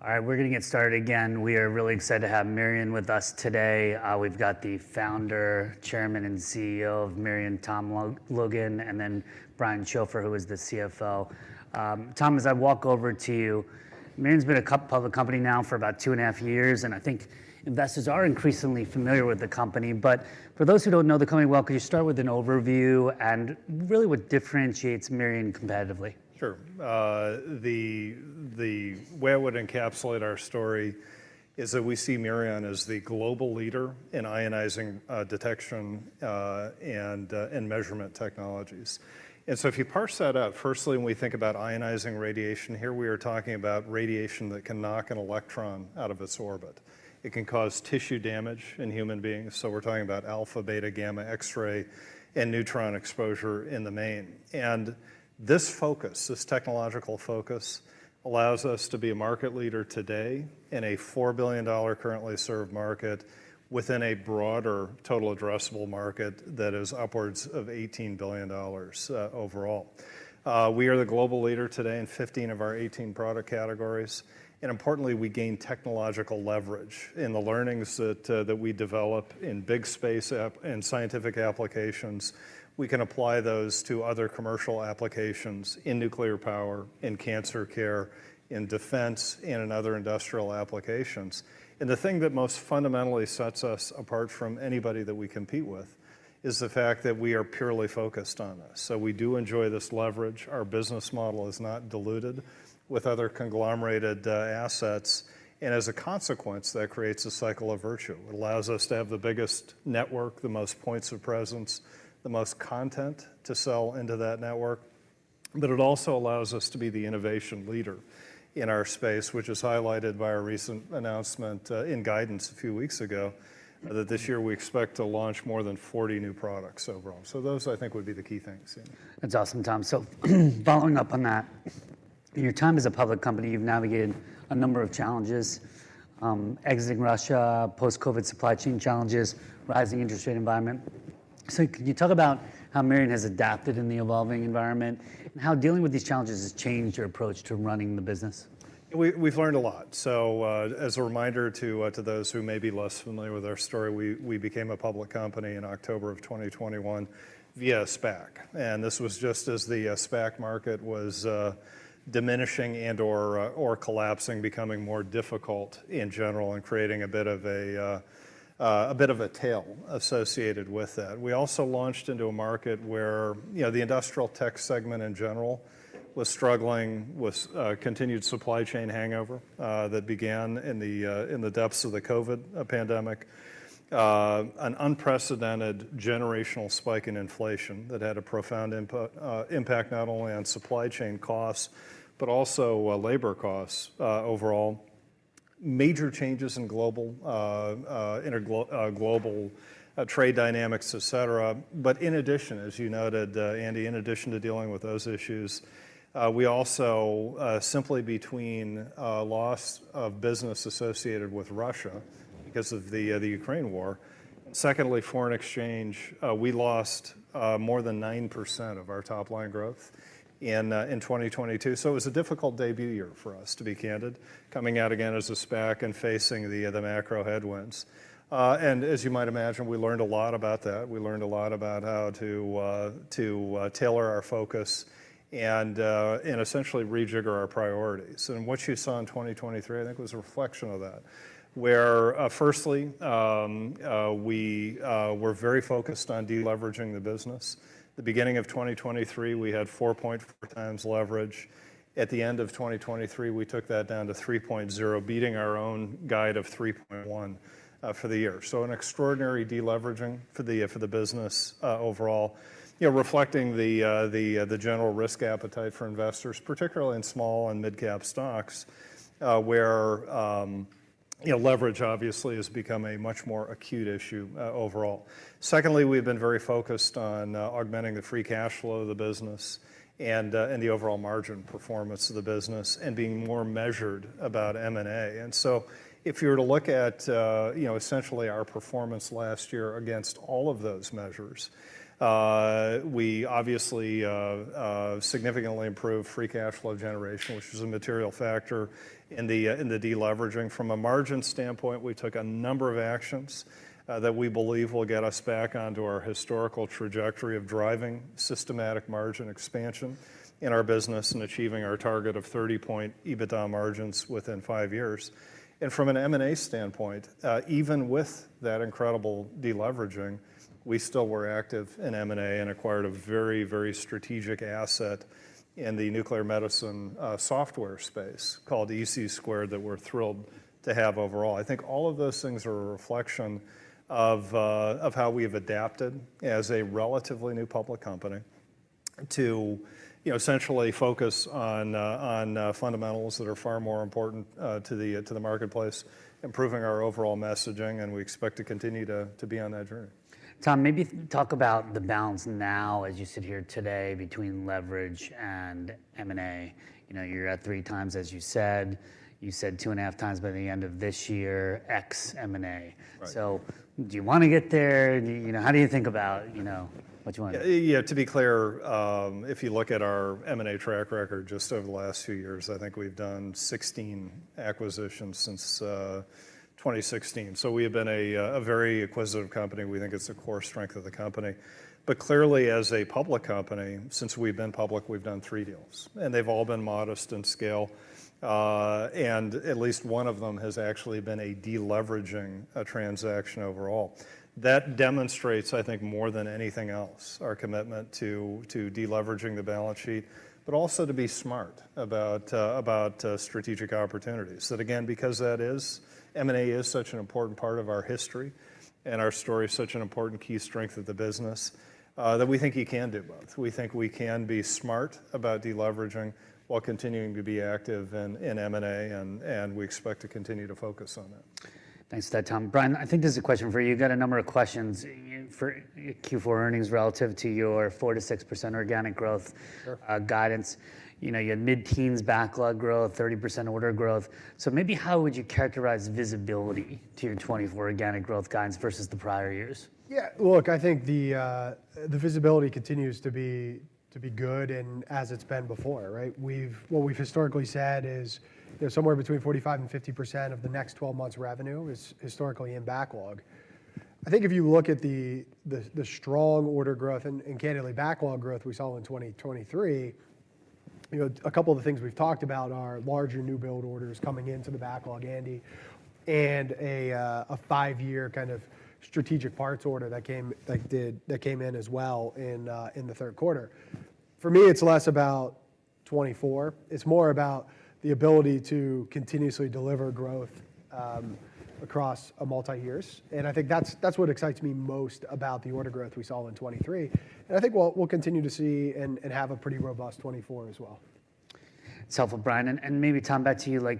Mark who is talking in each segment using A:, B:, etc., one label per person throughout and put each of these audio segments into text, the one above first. A: All right, we're going to get started again. We are really excited to have Mirion with us today. We've got the founder, chairman, and CEO of Mirion, Tom Logan, and then Brian Schopfer, who is the CFO. Thomas, I'll walk over to you. Mirion's been a public company now for about 2.5 years, and I think investors are increasingly familiar with the company. But for those who don't know the company well, could you start with an overview and really what differentiates Mirion competitively?
B: Sure. Where it would encapsulate our story is that we see Mirion as the global leader in ionizing detection and measurement technologies. So if you parse that up, firstly, when we think about ionizing radiation here, we are talking about radiation that can knock an electron out of its orbit. It can cause tissue damage in human beings. So we're talking about alpha, beta, gamma, X-ray, and neutron exposure in the main. And this focus, this technological focus, allows us to be a market leader today in a $4 billion currently served market within a broader total addressable market that is upwards of $18 billion overall. We are the global leader today in 15 of our 18 product categories. And importantly, we gain technological leverage. In the learnings that we develop in big space and scientific applications, we can apply those to other commercial applications in nuclear power, in cancer care, in defense, and in other industrial applications, and the thing that most fundamentally sets us apart from anybody that we compete with is the fact that we are purely focused on this. So we do enjoy this leverage. Our business model is not diluted with other conglomerated assets, and as a consequence, that creates a cycle of virtue. It allows us to have the biggest network, the most points of presence, the most content to sell into that network. But it also allows us to be the innovation leader in our space, which is highlighted by our recent announcement in guidance a few weeks ago that this year we expect to launch more than 40 new products overall. Those, I think, would be the key things.
A: That's awesome, Thomas. Following up on that, in your time as a public company, you've navigated a number of challenges: exiting Russia, post-COVID supply chain challenges, rising interest rate environment. Can you talk about how Mirion has adapted in the evolving environment and how dealing with these challenges has changed your approach to running the business?
B: We've learned a lot. So as a reminder to those who may be less familiar with our story, we became a public company in October of 2021 via SPAC. This was just as the SPAC market was diminishing and/or collapsing, becoming more difficult in general, and creating a bit of a tail associated with that. We also launched into a market where the industrial tech segment in general was struggling with continued supply chain hangover that began in the depths of the COVID pandemic, an unprecedented generational spike in inflation that had a profound impact not only on supply chain costs but also labor costs overall, major changes in global trade dynamics, et cetera. But in addition, as you noted, Andy, in addition to dealing with those issues, we also simply, between loss of business associated with Russia because of the Ukraine war, and secondly, foreign exchange, we lost more than 9% of our top-line growth in 2022. So it was a difficult debut year for us, to be candid, coming out again as a SPAC and facing the macro headwinds. And as you might imagine, we learned a lot about that. We learned a lot about how to tailor our focus and essentially rejigger our priorities. And what you saw in 2023, I think, was a reflection of that, where firstly, we were very focused on deleveraging the business. The beginning of 2023, we had 4.4x leverage. At the end of 2023, we took that down to 3.0, beating our own guide of 3.1 for the year. So an extraordinary deleveraging for the business overall, reflecting the general risk appetite for investors, particularly in small and mid-cap stocks, where leverage, obviously, has become a much more acute issue overall. Secondly, we've been very focused on augmenting the free cash flow of the business and the overall margin performance of the business and being more measured about M&A. And so if you were to look at essentially our performance last year against all of those measures, we obviously significantly improved free cash flow generation, which is a material factor in the deleveraging. From a margin standpoint, we took a number of actions that we believe will get us back onto our historical trajectory of driving systematic margin expansion in our business and achieving our target of 30-point EBITDA margins within five years. From an M&A standpoint, even with that incredible deleveraging, we still were active in M&A and acquired a very, very strategic asset in the nuclear medicine software space called ec² that we're thrilled to have overall. I think all of those things are a reflection of how we have adapted as a relatively new public company to essentially focus on fundamentals that are far more important to the marketplace, improving our overall messaging. We expect to continue to be on that journey.
A: Thomas, maybe talk about the balance now, as you sit here today, between leverage and M&A. You're at 3x, as you said. You said 2.5x by the end of this year, ex M&A. So do you want to get there? How do you think about what you want to do?
B: Yeah. To be clear, if you look at our M&A track record just over the last two years, I think we've done 16 acquisitions since 2016. So we have been a very acquisitive company. We think it's a core strength of the company. But clearly, as a public company, since we've been public, we've done three deals. And they've all been modest in scale. And at least one of them has actually been a deleveraging transaction overall. That demonstrates, I think, more than anything else, our commitment to deleveraging the balance sheet, but also to be smart about strategic opportunities. That again, because M&A is such an important part of our history and our story is such an important key strength of the business, that we think you can do both. We think we can be smart about deleveraging while continuing to be active in M&A. We expect to continue to focus on that.
A: Thanks for that, Thomas. Brian, I think there's a question for you. You've got a number of questions for Q4 earnings relative to your 4%-6% organic growth guidance. You had mid-teens backlog growth, 30% order growth. So maybe how would you characterize visibility to your 2024 organic growth guidance versus the prior years?
C: Yeah. Look, I think the visibility continues to be good as it's been before, right? What we've historically said is somewhere between 45%-50% of the next 12 months revenue is historically in backlog. I think if you look at the strong order growth and candidly, backlog growth we saw in 2023, a couple of the things we've talked about are larger new build orders coming into the backlog, Andy, and a five-year kind of strategic parts order that came in as well in the third quarter. For me, it's less about 2024, it's more about the ability to continuously deliver growth across multi-years. And I think that's what excites me most about the order growth we saw in 2023, and I think we'll continue to see and have a pretty robust 2024 as well.
A: It's awful, Brian. And maybe, Thomas, back to you.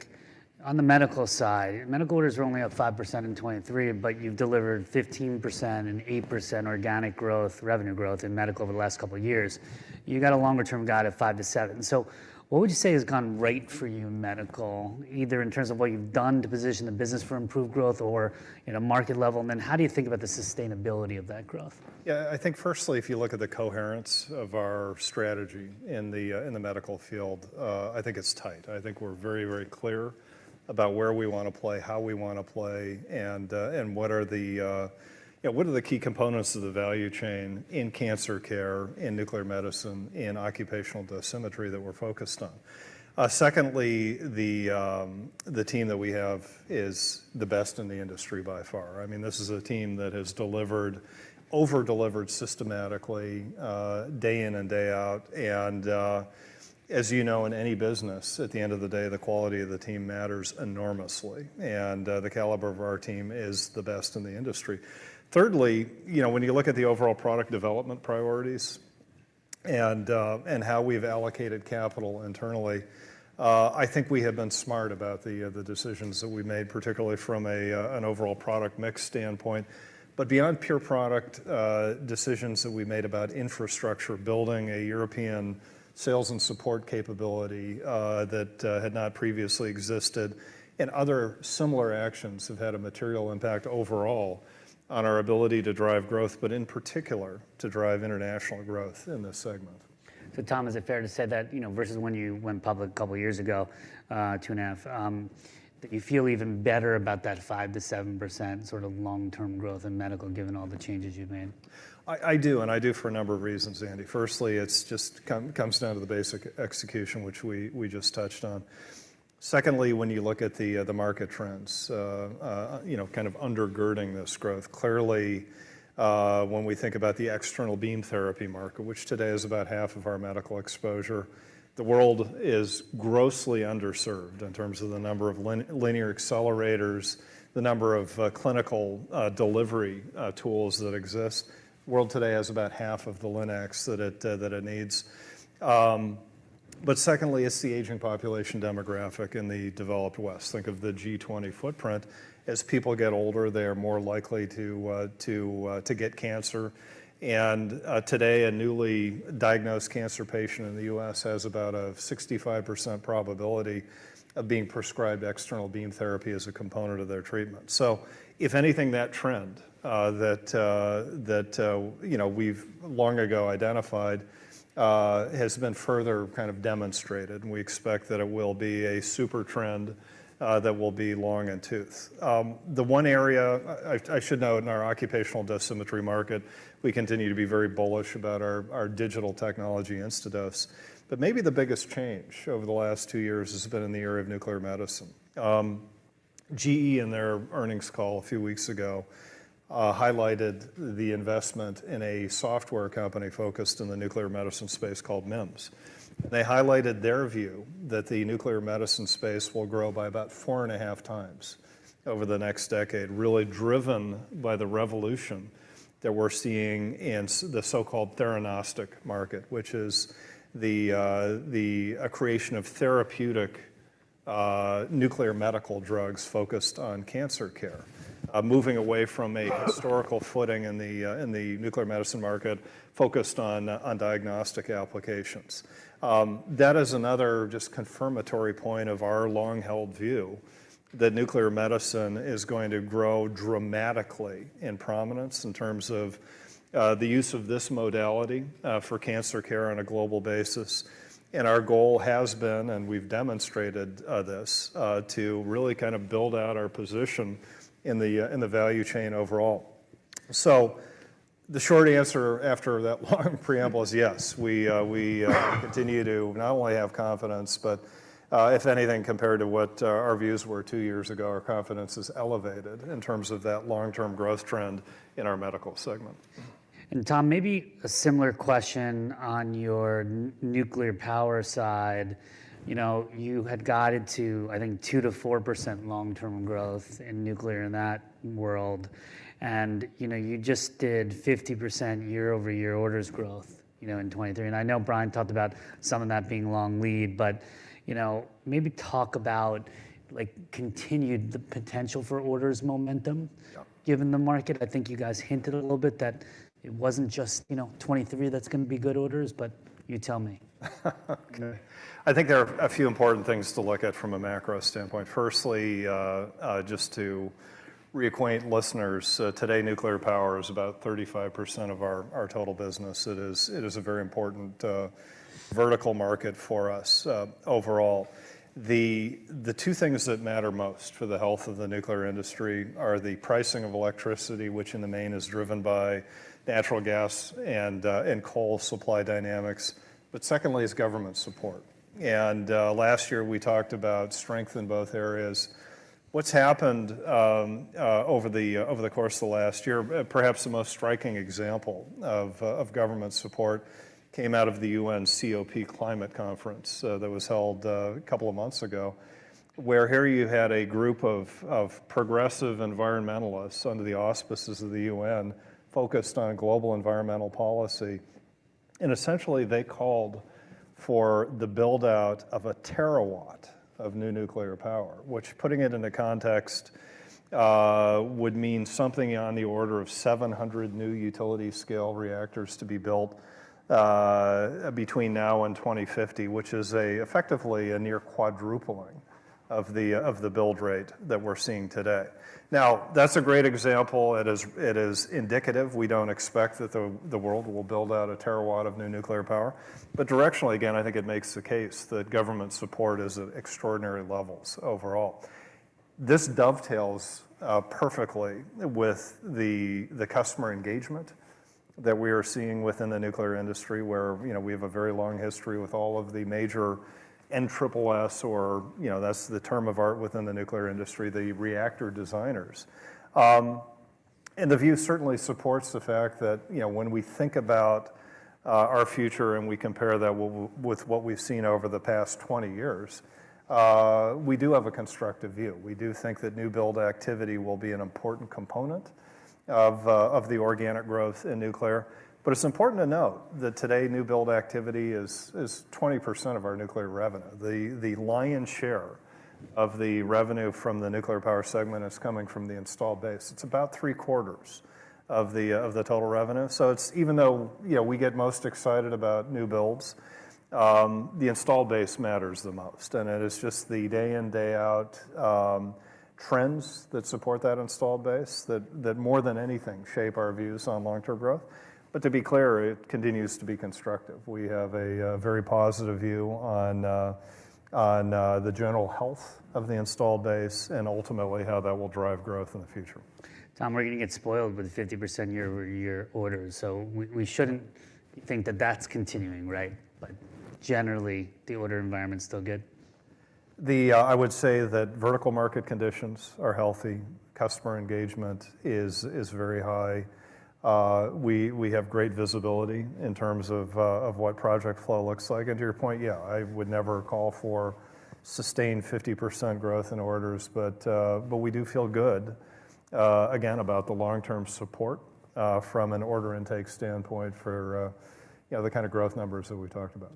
A: On the medical side, medical orders are only up 5% in 2023, but you've delivered 15% and 8% organic growth, revenue growth in medical over the last couple of years. You've got a longer-term guide at five and seven. So what would you say has gone right for you in medical, either in terms of what you've done to position the business for improved growth or market level? And then how do you think about the sustainability of that growth?
B: Yeah. I think firstly, if you look at the coherence of our strategy in the medical field, I think it's tight. I think we're very, very clear about where we want to play, how we want to play, and what are the key components of the value chain in cancer care, in nuclear medicine, in occupational dosimetry that we're focused on. Secondly, the team that we have is the best in the industry by far. I mean, this is a team that has overdelivered systematically day in and day out. And as you know, in any business, at the end of the day, the quality of the team matters enormously. And the caliber of our team is the best in the industry. Thirdly, when you look at the overall product development priorities and how we've allocated capital internally, I think we have been smart about the decisions that we made, particularly from an overall product mix standpoint. But beyond pure product decisions that we made about infrastructure, building a European sales and support capability that had not previously existed, and other similar actions have had a material impact overall on our ability to drive growth, but in particular, to drive international growth in this segment.
A: So Thomas, is it fair to say that versus when you went public a couple of years ago, two and a half, that you feel even better about that 5%-7% sort of long-term growth in medical given all the changes you've made?
B: I do. And I do for a number of reasons, Andy. Firstly, it just comes down to the basic execution, which we just touched on. Secondly, when you look at the market trends, kind of undergirding this growth, clearly, when we think about the external beam therapy market, which today is about half of our medical exposure, the world is grossly underserved in terms of the number of linear accelerators, the number of clinical delivery tools that exist. The world today has about half of the linacs that it needs. But secondly, it's the aging population demographic in the developed West, think of the G20 footprint, as people get older, they are more likely to get cancer. And today, a newly diagnosed cancer patient in the U.S. has about a 65% probability of being prescribed external beam therapy as a component of their treatment. So if anything, that trend that we've long ago identified has been further kind of demonstrated. And we expect that it will be a super trend that will be long and toothed. The one area I should note, in our occupational dosimetry market, we continue to be very bullish about our Digital Technology Instadose®. But maybe the biggest change over the last two years has been in the area of nuclear medicine. GE, in their earnings call a few weeks ago, highlighted the investment in a software company focused in the nuclear medicine space called NMIS. They highlighted their view that the nuclear medicine space will grow by about 4.5x over the next decade, really driven by the revolution that we're seeing in the so-called theranostics market, which is a creation of therapeutic nuclear medical drugs focused on cancer care, moving away from a historical footing in the nuclear medicine market focused on diagnostic applications. That is another just confirmatory point of our long-held view that nuclear medicine is going to grow dramatically in prominence in terms of the use of this modality for cancer care on a global basis. Our goal has been, and we've demonstrated this, to really kind of build out our position in the value chain overall. The short answer after that long preamble is yes. We continue to not only have confidence, but if anything, compared to what our views were two years ago, our confidence is elevated in terms of that long-term growth trend in our medical segment.
A: Thomas, maybe a similar question on your nuclear power side. You had gotten to, I think, 2%-4% long-term growth in nuclear in that world. You just did 50% year-over-year orders growth in 2023. I know Brian talked about some of that being long lead. But maybe talk about continued the potential for orders momentum, given the market. I think you guys hinted a little bit that it wasn't just 2023 that's going to be good orders, but you tell me.
B: Okay. I think there are a few important things to look at from a macro standpoint. Firstly, just to reacquaint listeners, today, nuclear power is about 35% of our total business. It is a very important vertical market for us overall. The two things that matter most for the health of the nuclear industry are the pricing of electricity, which in the main is driven by natural gas and coal supply dynamics. But secondly, is government support. Last year, we talked about strength in both areas. What's happened over the course of the last year, perhaps the most striking example of government support, came out of the UN COP climate conference that was held a couple of months ago, where here you had a group of progressive environmentalists under the auspices of the UN focused on global environmental policy. Essentially, they called for the buildout of a terawatt of new nuclear power, which, putting it into context, would mean something on the order of 700 new utility-scale reactors to be built between now and 2050, which is effectively a near quadrupling of the build rate that we're seeing today. Now, that's a great example. It is indicative. We don't expect that the world will build out a terawatt of new nuclear power. But directionally, again, I think it makes the case that government support is at extraordinary levels overall. This dovetails perfectly with the customer engagement that we are seeing within the nuclear industry, where we have a very long history with all of the major NSSS, or that's the term of art within the nuclear industry, the reactor designers. The view certainly supports the fact that when we think about our future and we compare that with what we've seen over the past 20 years, we do have a constructive view. We do think that new build activity will be an important component of the organic growth in nuclear. But it's important to note that today, new build activity is 20% of our nuclear revenue. The lion's share of the revenue from the nuclear power segment is coming from the installed base. It's about 3/4 of the total revenue. So even though we get most excited about new builds, the installed base matters the most. And it is just the day in, day out trends that support that installed base that more than anything shape our views on long-term growth. But to be clear, it continues to be constructive. We have a very positive view on the general health of the installed base and ultimately how that will drive growth in the future.
A: Thomas, we're going to get spoiled with 50% year-over-year orders. So we shouldn't think that that's continuing, right? But generally, the order environment's still good?
B: I would say that vertical market conditions are healthy. Customer engagement is very high. We have great visibility in terms of what project flow looks like. And to your point, yeah, I would never call for sustained 50% growth in orders. But we do feel good, again, about the long-term support from an order intake standpoint for the kind of growth numbers that we've talked about.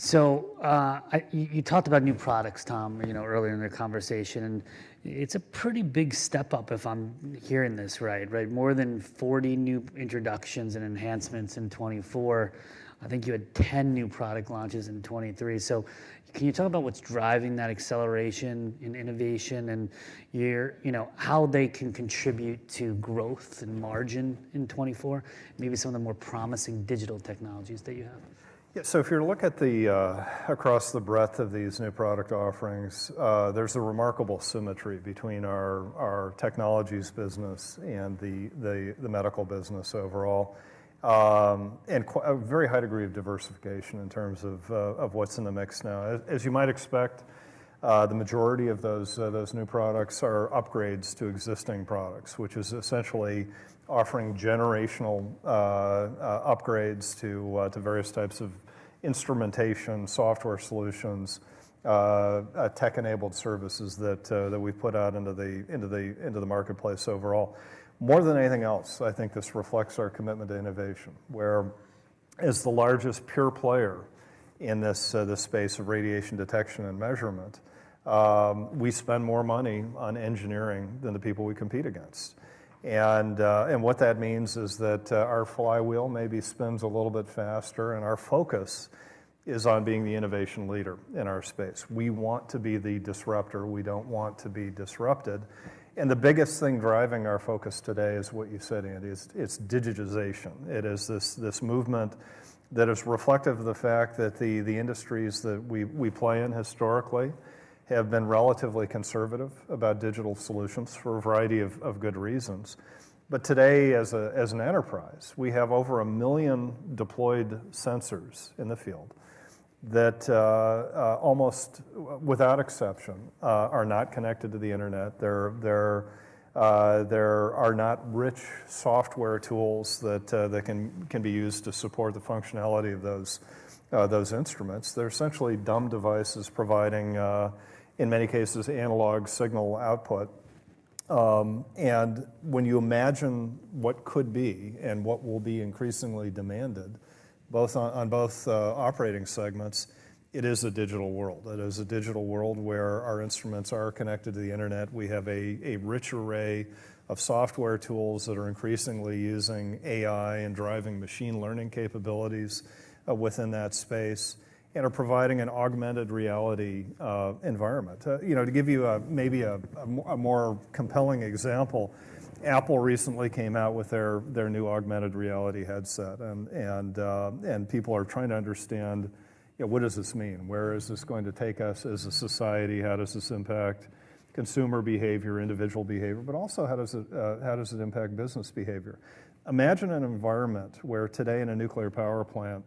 A: So you talked about new products, Thomas, earlier in the conversation. And it's a pretty big step up if I'm hearing this right, right? More than 40 new introductions and enhancements in 2024. I think you had 10 new product launches in 2023. So can you talk about what's driving that acceleration in innovation and how they can contribute to growth and margin in 2024? Maybe some of the more promising digital technologies that you have?
B: Yeah. So if you're to look across the breadth of these new product offerings, there's a remarkable symmetry between our technologies business and the medical business overall and a very high degree of diversification in terms of what's in the mix now. As you might expect, the majority of those new products are upgrades to existing products, which is essentially offering generational upgrades to various types of instrumentation, software solutions, tech-enabled services that we've put out into the marketplace overall. More than anything else, I think this reflects our commitment to innovation, where as the largest pure player in this space of radiation detection and measurement, we spend more money on engineering than the people we compete against. What that means is that our flywheel maybe spins a little bit faster. Our focus is on being the innovation leader in our space. We want to be the disruptor. We don't want to be disrupted. The biggest thing driving our focus today is what you said, Andy. It's digitization. It is this movement that is reflective of the fact that the industries that we play in historically have been relatively conservative about digital solutions for a variety of good reasons. But today, as an enterprise, we have over 1 million deployed sensors in the field that almost without exception are not connected to the internet. There are not rich software tools that can be used to support the functionality of those instruments. They're essentially dumb devices providing, in many cases, analog signal output. And when you imagine what could be and what will be increasingly demanded on both operating segments, it is a digital world. It is a digital world where our instruments are connected to the internet. We have a rich array of software tools that are increasingly using AI and driving machine learning capabilities within that space and are providing an augmented reality environment. To give you maybe a more compelling example, Apple recently came out with their new augmented reality headset. People are trying to understand, what does this mean? Where is this going to take us as a society? How does this impact consumer behavior, individual behavior? But also, how does it impact business behavior? Imagine an environment where today, in a nuclear power plant,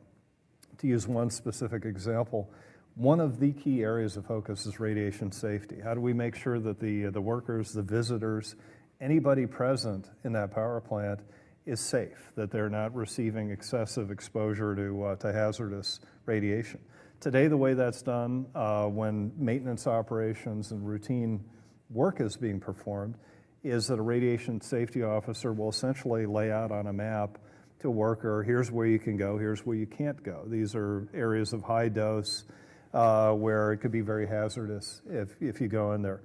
B: to use one specific example, one of the key areas of focus is radiation safety. How do we make sure that the workers, the visitors, anybody present in that power plant is safe, that they're not receiving excessive exposure to hazardous radiation? Today, the way that's done when maintenance operations and routine work is being performed is that a radiation safety officer will essentially lay out on a map to a worker, Here's where you can go. Here's where you can't go. These are areas of high dose where it could be very hazardous if you go in there.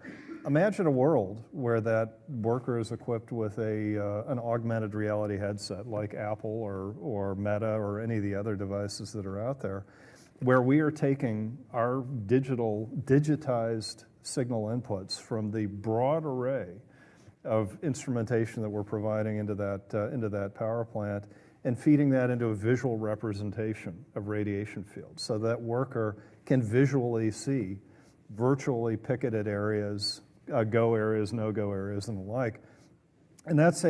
B: Imagine a world where that worker is equipped with an augmented reality headset like Apple or Meta or any of the other devices that are out there, where we are taking our digitized signal inputs from the broad array of instrumentation that we're providing into that power plant and feeding that into a visual representation of radiation fields so that worker can visually see, virtually picketed areas, go areas, no-go areas, and the like. And it's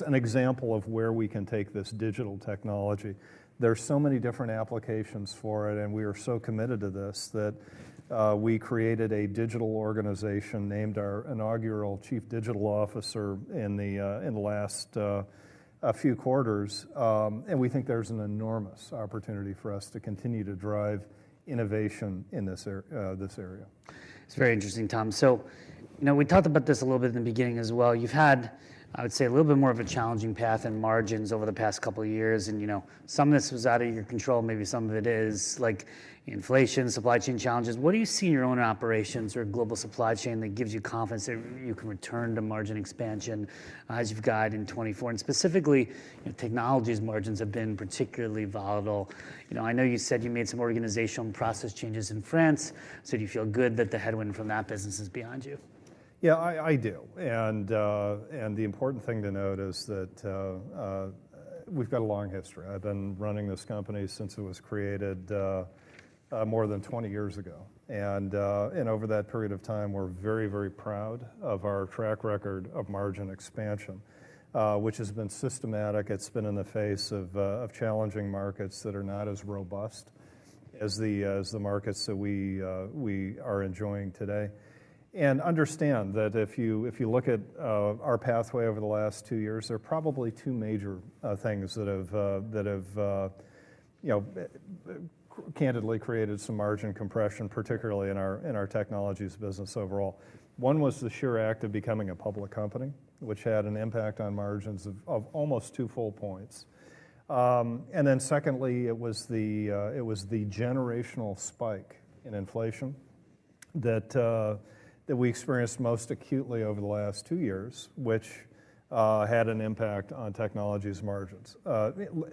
B: an example of where we can take this digital technology. There are so many different applications for it. We are so committed to this that we created a digital organization named our inaugural Chief Digital Officer in the last few quarters. We think there's an enormous opportunity for us to continue to drive innovation in this area.
A: It's very interesting, Thomas. So we talked about this a little bit in the beginning as well. You've had, I would say, a little bit more of a challenging path in margins over the past couple of years. And some of this was out of your control. Maybe some of it is, like inflation, supply chain challenges. What do you see in your own operations or global supply chain that gives you confidence that you can return to margin expansion as you've got in 2024? And specifically, technologies margins have been particularly volatile. I know you said you made some organizational and process changes in France. So do you feel good that the headwind from that business is behind you?
B: Yeah, I do. The important thing to note is that we've got a long history. I've been running this company since it was created more than 20 years ago. Over that period of time, we're very, very proud of our track record of margin expansion, which has been systematic. It's been in the face of challenging markets that are not as robust as the markets that we are enjoying today. Understand that if you look at our pathway over the last two years, there are probably two major things that have candidly created some margin compression, particularly in our technologies business overall. One was the sheer act of becoming a public company, which had an impact on margins of almost two full points. And then secondly, it was the generational spike in inflation that we experienced most acutely over the last two years, which had an impact on technologies margins,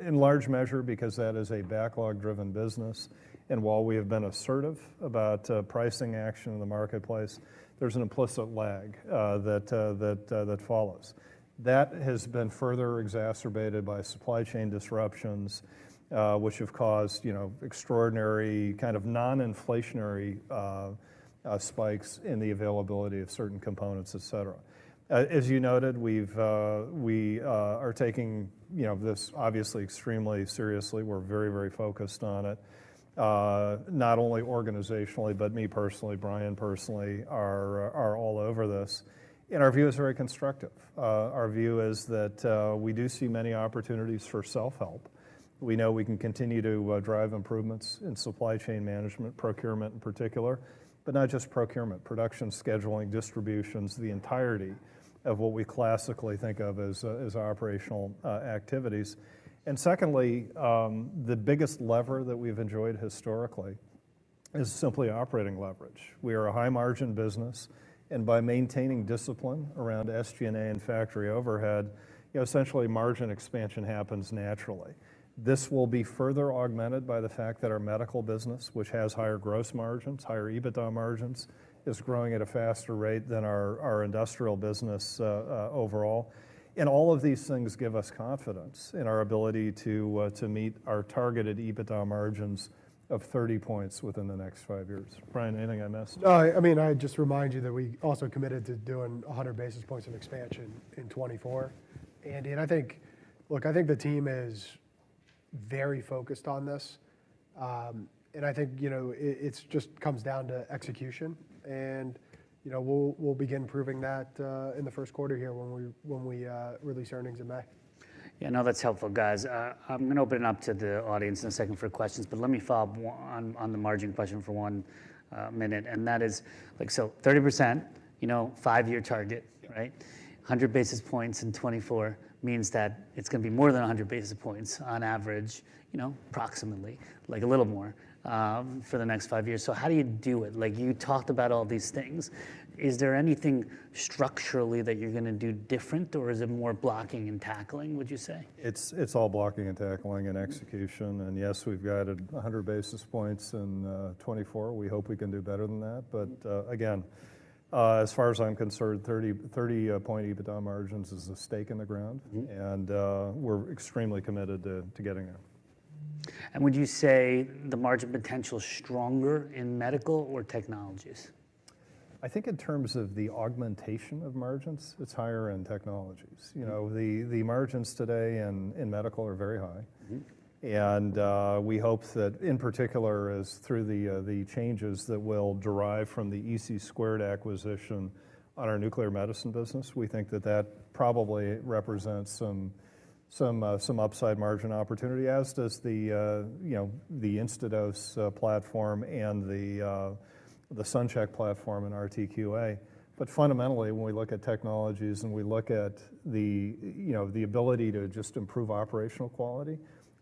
B: in large measure because that is a backlog-driven business. And while we have been assertive about pricing action in the marketplace, there's an implicit lag that follows. That has been further exacerbated by supply chain disruptions, which have caused extraordinary kind of non-inflationary spikes in the availability of certain components, et cetera. As you noted, we are taking this obviously extremely seriously. We're very, very focused on it, not only organizationally, but me personally, Brian personally, are all over this. And our view is very constructive. Our view is that we do see many opportunities for self-help. We know we can continue to drive improvements in supply chain management, procurement in particular, but not just procurement, production scheduling, distributions, the entirety of what we classically think of as operational activities. And secondly, the biggest lever that we've enjoyed historically is simply operating leverage. We are a high-margin business. And by maintaining discipline around SG&A and factory overhead, essentially, margin expansion happens naturally. This will be further augmented by the fact that our medical business, which has higher gross margins, higher EBITDA margins, is growing at a faster rate than our industrial business overall. And all of these things give us confidence in our ability to meet our targeted EBITDA margins of 30 points within the next five years. Brian, anything I missed?
C: No, I mean, I'd just remind you that we also committed to doing 100 basis points of expansion in 2024. And look, I think the team is very focused on this. And I think it just comes down to execution. And we'll begin proving that in the first quarter here when we release earnings in May.
A: Yeah, no, that's helpful, guys. I'm going to open it up to the audience in a second for questions. But let me follow up on the margin question for one minute. That is, so 30%, five year target, right? 100 basis points in 2024 means that it's going to be more than 100 basis points on average, approximately, like a little more for the next five years. So how do you do it? You talked about all these things. Is there anything structurally that you're going to do different? Or is it more blocking and tackling, would you say?
B: It's all blocking and tackling and execution. And yes, we've got 100 basis points in 2024. We hope we can do better than that. But again, as far as I'm concerned, 30 point EBITDA margins is a stake in the ground. And we're extremely committed to getting there.
A: Would you say the margin potential's stronger in medical or technologies?
B: I think in terms of the augmentation of margins, it's higher in technologies. The margins today in medical are very high. And we hope that, in particular, through the changes that will derive from the ec² acquisition on our nuclear medicine business, we think that that probably represents some upside margin opportunity, as does the Instadose® platform and the SunCHECK platform and RTQA. But fundamentally, when we look at technologies and we look at the ability to just improve operational quality,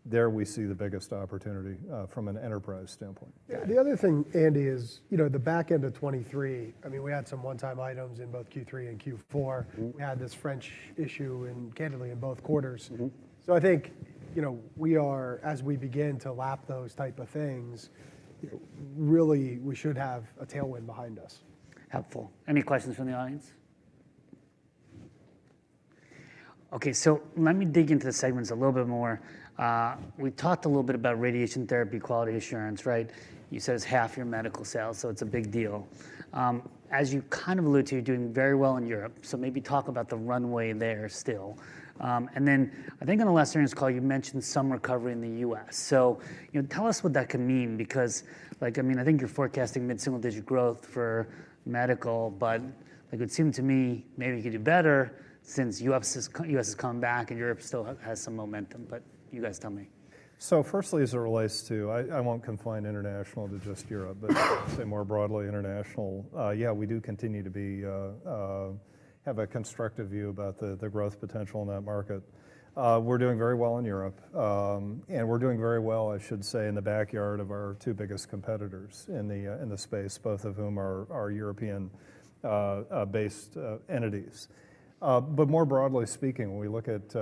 B: there we see the biggest opportunity from an enterprise standpoint.
C: Yeah. The other thing, Andy, is the back end of 2023, I mean, we had some one-time items in both Q3 and Q4. We had this French issue, candidly, in both quarters. So I think as we begin to lap those type of things, really, we should have a tailwind behind us.
A: Helpful. Any questions from the audience? OK, let me dig into the segments a little bit more. We talked a little bit about radiation therapy quality assurance, right? You said it's half your medical sales. It's a big deal. As you kind of alluded to, you're doing very well in Europe. Maybe talk about the runway there still. Then I think on the last earnings call, you mentioned some recovery in the U.S. Tell us what that can mean because, I mean, I think you're forecasting mid-single-digit growth for medical but ut seemed to me maybe you could do better since U.S. has come back and Europe still has some momentum? You guys tell me.
B: Firstly, as it relates to I won't confine international to just Europe, but say more broadly, international, yeah, we do continue to have a constructive view about the growth potential in that market. We're doing very well in Europe, and we're doing very well, I should say, in the backyard of our two biggest competitors in the space, both of whom are European-based entities. More broadly speaking, when we look at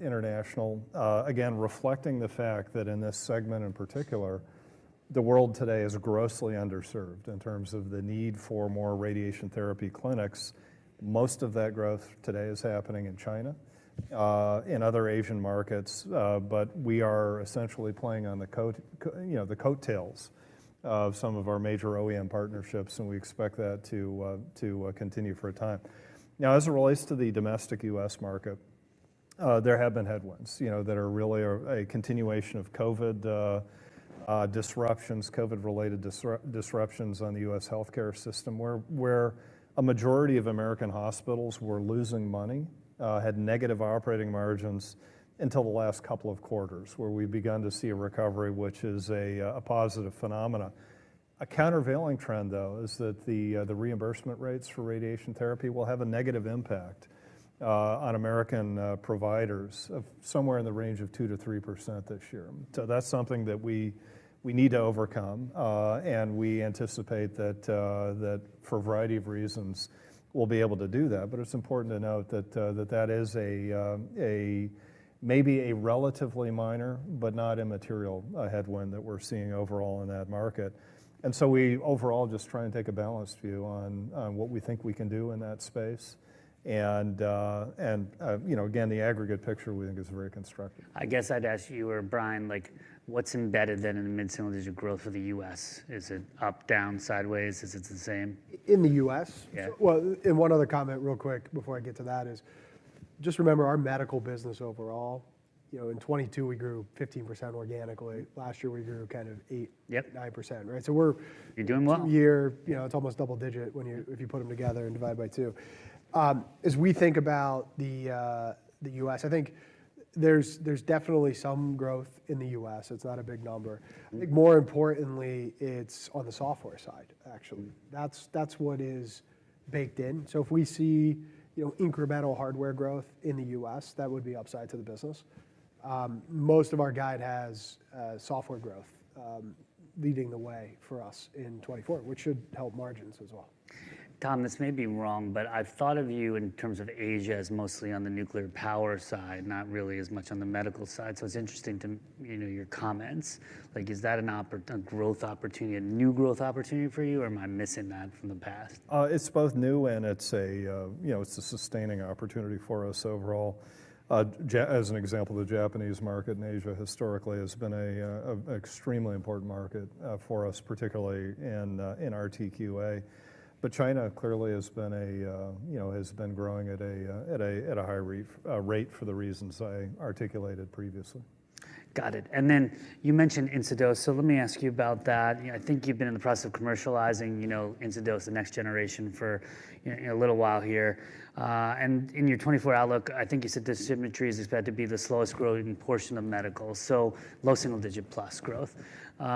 B: international, again, reflecting the fact that in this segment in particular, the world today is grossly underserved in terms of the need for more radiation therapy clinics. Most of that growth today is happening in China, in other Asian markets. But we are essentially playing on the coattails of some of our major OEM partnerships. We expect that to continue for a time. Now, as it relates to the domestic U.S. market, there have been headwinds that are really a continuation of COVID disruptions, COVID-related disruptions on the U.S. health care system, where a majority of American hospitals were losing money, had negative operating margins until the last couple of quarters, where we've begun to see a recovery, which is a positive phenomenon. A countervailing trend, though, is that the reimbursement rates for radiation therapy will have a negative impact on American providers of somewhere in the range of 2%-3% this year. So that's something that we need to overcome. And we anticipate that, for a variety of reasons, we'll be able to do that. But it's important to note that that is maybe a relatively minor but not immaterial headwind that we're seeing overall in that market. So, we overall just try and take a balanced view on what we think we can do in that space. Again, the aggregate picture, we think, is very constructive.
A: I guess I'd ask you or Brian, what's embedded then in the mid-single-digit growth for the U.S.? Is it up, down, sideways? Is it the same?
C: In the U.S.?
A: Yeah.
C: Well, and one other comment real quick before I get to that is just remember, our medical business overall, in 2022, we grew 15% organically. Last year, we grew kind of 8%-9%, right? So we're.
A: You're doing well.
C: It's almost double-digit if you put them together and divide by two. As we think about the U.S., I think there's definitely some growth in the U.S. It's not a big number. I think more importantly, it's on the software side, actually. That's what is baked in. So if we see incremental hardware growth in the U.S., that would be upside to the business. Most of our guide has software growth leading the way for us in 2024, which should help margins as well.
A: Thomas, this may be wrong, but I've thought of you in terms of Asia as mostly on the nuclear power side, not really as much on the medical side. So it's interesting to hear your comments. Is that a growth opportunity, a new growth opportunity for you? Or am I missing that from the past?
B: It's both new. It's a sustaining opportunity for us overall. As an example, the Japanese market in Asia historically has been an extremely important market for us, particularly in RTQA. But China clearly has been growing at a high rate for the reasons I articulated previously.
A: Got it. And then you mentioned Instadose®. So let me ask you about that. I think you've been in the process of commercializing Instadose®, the next generation, for a little while here. And in your 2024 outlook, I think you said the dosimetry is expected to be the slowest growing portion of medical, so low single-digit+ growth.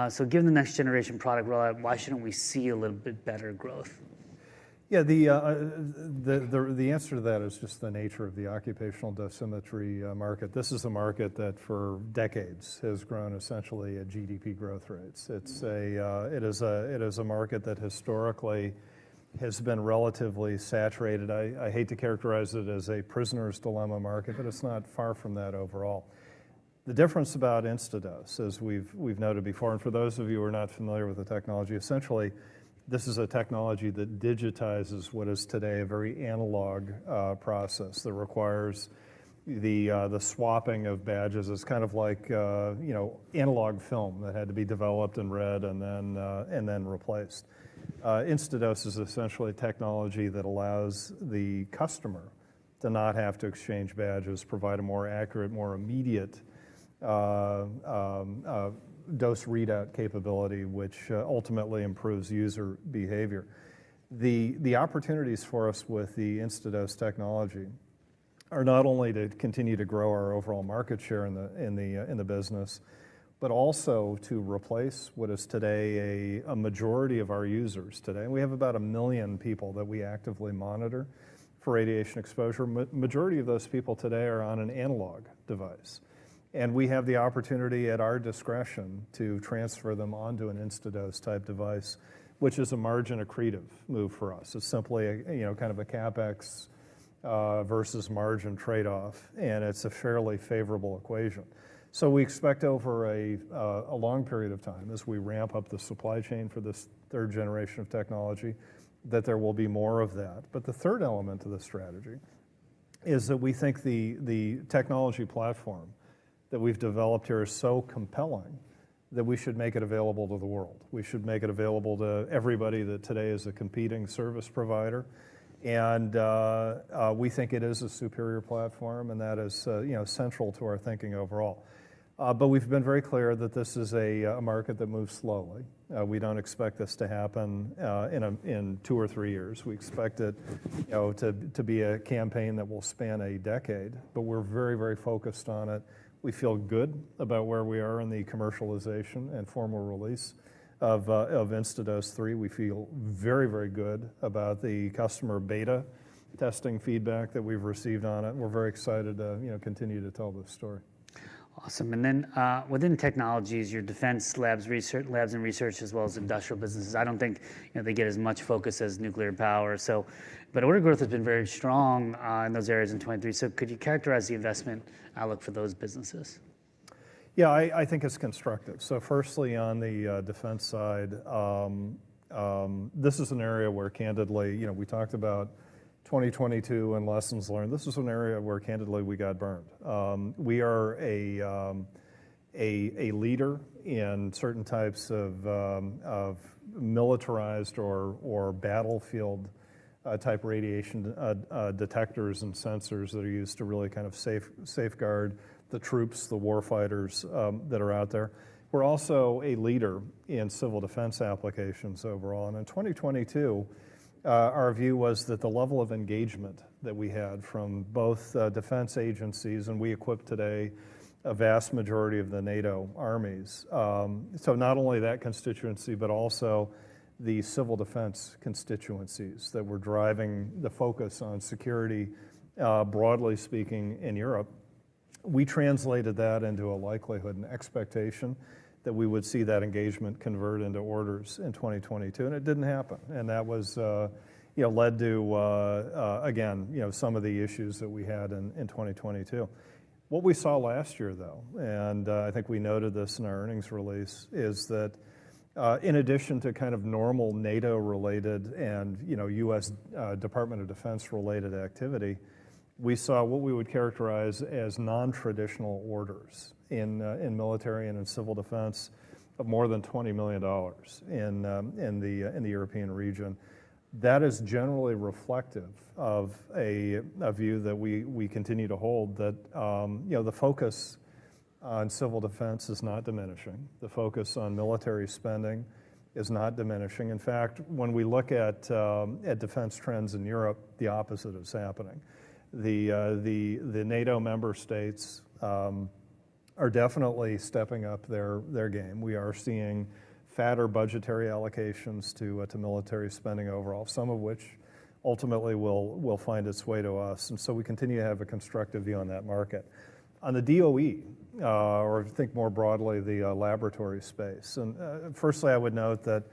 A: So given the next-generation product rollout, why shouldn't we see a little bit better growth?
B: Yeah, the answer to that is just the nature of the occupational dosimetry market. This is a market that for decades has grown essentially at GDP growth rates. It is a market that historically has been relatively saturated. I hate to characterize it as a prisoner's dilemma market. It's not far from that overall. The difference about Instadose®, as we've noted before, and for those of you who are not familiar with the technology, essentially, this is a technology that digitizes what is today a very analog process that requires the swapping of badges. It's kind of like analog film that had to be developed and read and then replaced. Instadose® is essentially technology that allows the customer to not have to exchange badges, provide a more accurate, more immediate dose readout capability, which ultimately improves user behavior. The opportunities for us with the Instadose® Technology are not only to continue to grow our overall market share in the business but also to replace what is today a majority of our users today. And we have about a million people that we actively monitor for radiation exposure. Majority of those people today are on an analog device. And we have the opportunity at our discretion to transfer them onto an Instadose-type device, which is a margin accretive move for us, is simply kind of a CapEx versus margin trade-off. And it's a fairly favorable equation. So we expect over a long period of time, as we ramp up the supply chain for this third generation of technology, that there will be more of that. But the third element to the strategy is that we think the technology platform that we've developed here is so compelling that we should make it available to the world. We should make it available to everybody that today is a competing service provider. And we think it is a superior platform. And that is central to our thinking overall. But we've been very clear that this is a market that moves slowly. We don't expect this to happen in two or three years. We expect it to be a campaign that will span a decade. But we're very, very focused on it. We feel good about where we are in the commercialization and formal release of Instadose® 3. We feel very, very good about the customer beta testing feedback that we've received on it. And we're very excited to continue to tell this story.
A: Awesome. And then within technologies, your defense labs and research, as well as industrial businesses, I don't think they get as much focus as nuclear power. But order growth has been very strong in those areas in 2023. So could you characterize the investment outlook for those businesses?
B: Yeah, I think it's constructive. So firstly, on the defense side, this is an area where, candidly, we talked about 2022 and lessons learned. This is an area where, candidly, we got burned. We are a leader in certain types of militarized or battlefield-type radiation detectors and sensors that are used to really kind of safeguard the troops, the war fighters that are out there. We're also a leader in civil defense applications overall. And in 2022, our view was that the level of engagement that we had from both defense agencies, and we equip today a vast majority of the NATO armies, so not only that constituency but also the civil defense constituencies that were driving the focus on security, broadly speaking, in Europe, we translated that into a likelihood and expectation that we would see that engagement convert into orders in 2022. And it didn't happen. That led to, again, some of the issues that we had in 2022. What we saw last year, though, and I think we noted this in our earnings release, is that in addition to kind of normal NATO-related and U.S. Department of Defense-related activity, we saw what we would characterize as nontraditional orders in military and in civil defense of more than $20 million in the European region. That is generally reflective of a view that we continue to hold, that the focus on civil defense is not diminishing. The focus on military spending is not diminishing. In fact, when we look at defense trends in Europe, the opposite is happening. The NATO member states are definitely stepping up their game. We are seeing fatter budgetary allocations to military spending overall, some of which ultimately will find its way to us. So we continue to have a constructive view on that market. On the DOE, or think more broadly, the laboratory space, and firstly, I would note that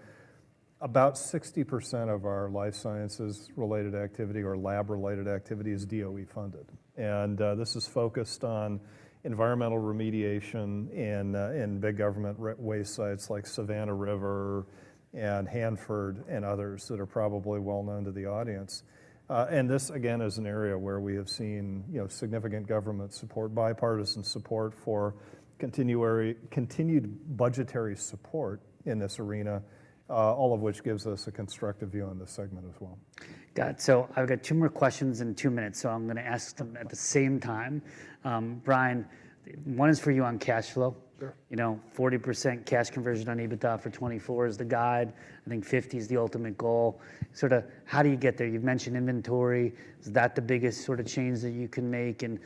B: about 60% of our life sciences-related activity or lab-related activity is DOE-funded. This is focused on environmental remediation in big government waste sites like Savannah River and Hanford and others that are probably well known to the audience. This, again, is an area where we have seen significant government support, bipartisan support for continued budgetary support in this arena, all of which gives us a constructive view on this segment as well.
A: Got it. So I've got two more questions in two minutes. I'm going to ask them at the same time. Brian, one is for you on cash flow.
C: Sure.
A: 40% cash conversion on EBITDA for 2024 is the guide. I think 50% is the ultimate goal. Sort of how do you get there? You've mentioned inventory. Is that the biggest sort of change that you can make? And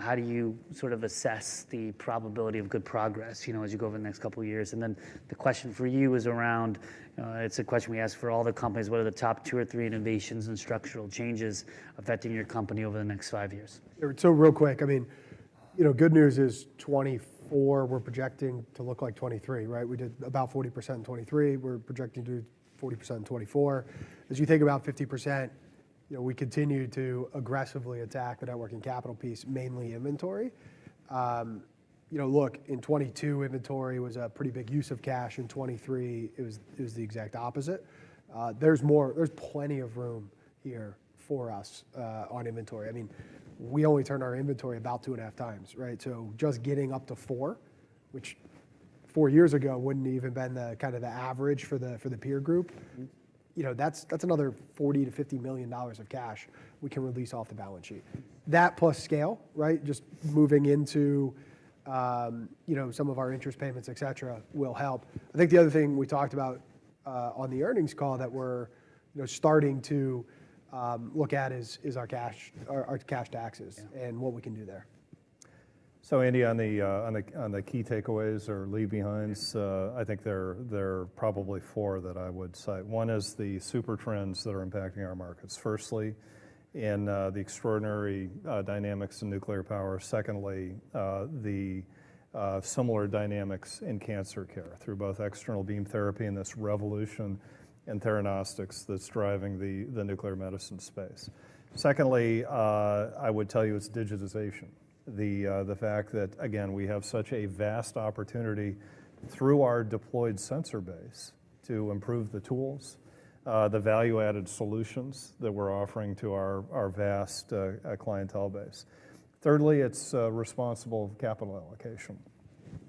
A: how do you sort of assess the probability of good progress as you go over the next couple of years? And then the question for you is around, it's a question we ask for all the companies. What are the top two or three innovations and structural changes affecting your company over the next five years?
C: So real quick, I mean, good news is 2024, we're projecting to look like 2023, right? We did about 40% in 2023. We're projecting to do 40% in 2024. As you take about 50%, we continue to aggressively attack the working capital piece, mainly inventory. Look, in 2022, inventory was a pretty big use of cash. In 2023, it was the exact opposite. There's more, plenty of room here for us on inventory. I mean, we only turn our inventory about 2.5x, right? So just getting up to four, which four years ago wouldn't even have been kind of the average for the peer group, that's another $40-$50 million of cash we can release off the balance sheet. That plus scale, right, just moving into some of our interest payments, et cetera, will help. I think the other thing we talked about on the earnings call that we're starting to look at is our cash taxes and what we can do there.
B: So Andy, on the key takeaways or leave-behinds, I think there are probably four that I would cite. One is the super trends that are impacting our markets, firstly, in the extraordinary dynamics in nuclear power. Secondly, the similar dynamics in cancer care through both external beam therapy and this revolution in theranostics that's driving the nuclear medicine space. Secondly, I would tell you, it's digitization, the fact that, again, we have such a vast opportunity through our deployed sensor base to improve the tools, the value-added solutions that we're offering to our vast clientele base. Thirdly, it's responsible capital allocation.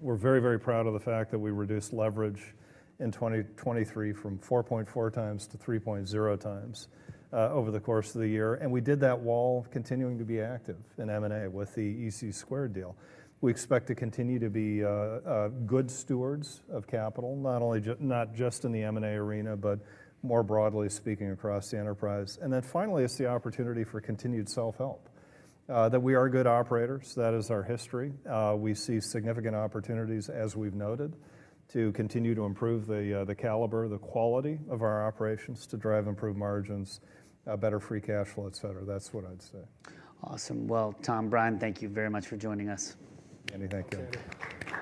B: We're very, very proud of the fact that we reduced leverage in 2023 from 4.4x-3.0x over the course of the year. And we did that while continuing to be active in M&A with the ec² deal. We expect to continue to be good stewards of capital, not just in the M&A arena but more broadly speaking, across the enterprise. Then finally, it's the opportunity for continued self-help, that we are good operators. That is our history. We see significant opportunities, as we've noted, to continue to improve the caliber, the quality of our operations, to drive improved margins, better free cash flow, et cetera. That's what I'd say.
A: Awesome. Well, Tom, Brian, thank you very much for joining us.
B: Andy, thank you.